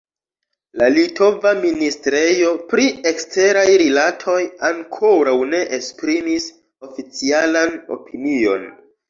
La litova ministrejo pri eksteraj rilatoj ankoraŭ ne esprimis oficialan opinion.